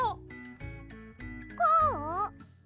こう？